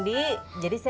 nih dauin ibu bapak